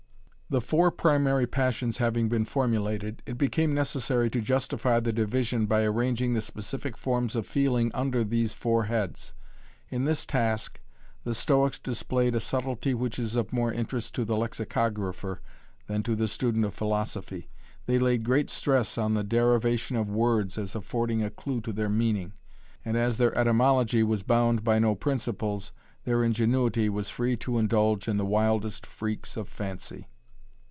The four primary passions having been formulated, it became necessary to justify the division by arranging the specific forms of feeling under these four heads. In this task the Stoics displayed a subtlety which is of more interest to the lexicographer than to the student of philosophy. They laid great stress on the derivation of words as affording a clue to their meaning; and, as their etymology was bound by no principles, their ingenuity was free to indulge in the wildest freaks of fancy.